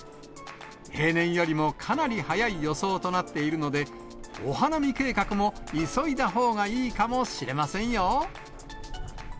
平年よりもかなり早い予想となっているので、お花見計画も急いだほうがいいかもしれませんよ。